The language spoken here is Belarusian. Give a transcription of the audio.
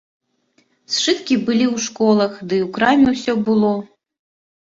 Сшыткі былі ў школах, ды ў краме ўсё было.